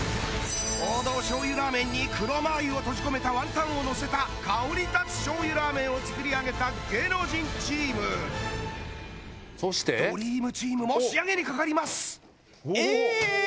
王道しょう油ラーメンに黒マー油を閉じ込めたワンタンをのせた香りたつしょう油ラーメンを作り上げた芸能人チームドリームチームも仕上げにかかりますえ